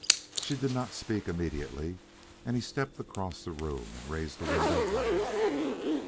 She did not speak immediately, and he stepped across the room and raised the window higher.